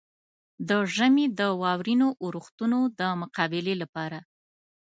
د ژمي د واورينو اورښتونو د مقابلې لپاره.